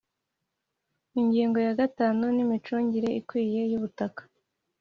Ingingo ya gatanu Imicungire ikwiye y ubutaka